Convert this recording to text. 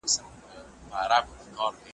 پتڼ له ګل او لاله زاره سره نه جوړیږي .